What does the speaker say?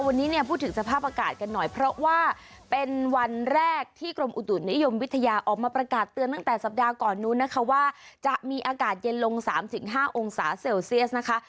วันนี้เนี่ยพูดถึงสภาพอากาศกันหน่อยเพราะว่าเป็นวันแรกที่กรมอุตุนิยมวิทยาออกมาประกาศเตือนตั้งแต่สัปดาห์ก่อนนู้นนะคะว่าจะมีอากาศเย็นลง๓๕องศาเซลเซียสนะคะ